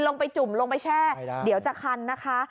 จุ่มลงไปแช่เดี๋ยวจะคันนะคะ